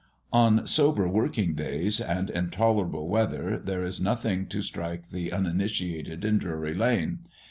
On sober working days, and in tolerable weather, there is nothing to strike the uninitiated in Drury lane.